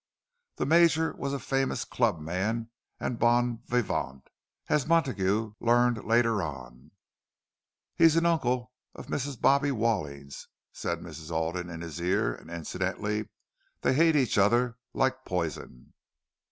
The Major was a famous club man and bon vivant, as Montague learned later on. "He's an uncle of Mrs. Bobbie Walling's," said Mrs. Alden, in his ear. "And incidentally they hate each other like poison."